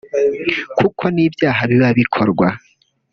kuko ni ibyaha biba bikorwa